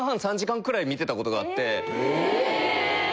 ・え！